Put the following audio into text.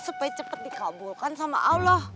supaya cepat dikabulkan sama allah